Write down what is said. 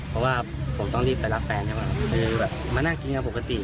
เพราะว่าผมต้องรีบไปรับแฟนเขามานั่งกินงานปกติ